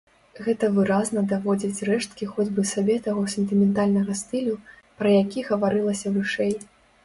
Гэта выразна даводзяць рэшткі хоць бы сабе таго сентыментальнага стылю, пра які гаварылася вышэй.